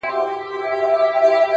ښکاري زرکه د خپل قام په ځان بلا وه -